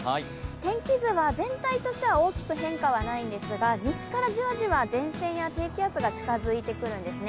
天気図は全体としては大きく変化はないんですが、西からじわじわ前線や低圧が近づいてくるんですね。